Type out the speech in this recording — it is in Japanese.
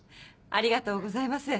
ありがとうございます。